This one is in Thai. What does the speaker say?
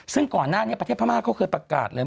ซึ่งก่อนหน้านี้ประเทศพม่าเขาเคยประกาศเลย